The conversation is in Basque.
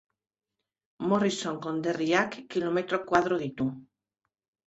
Morrison konderriak kilometro koadro ditu.